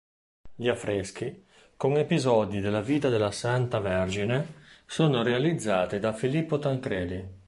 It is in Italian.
Gli affreschi, con episodi della vita della "Santa Vergine", sono realizzati da Filippo Tancredi.